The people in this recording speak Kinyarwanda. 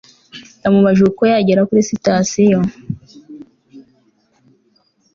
yamubajije uko yagera kuri sitasiyo